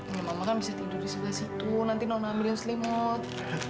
iya mama kan bisa tidur di sebelah situ nanti nona ambilin selimut